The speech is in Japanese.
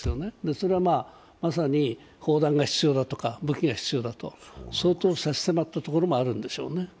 それはまさに砲弾が必要だとか、武器が必要だと、相当差し迫ったところもあるんでしょうね。